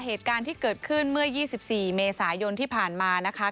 เหตุการณ์ที่เกิดขึ้นเมื่อ๒๔เมษายนที่ผ่านมานะคะ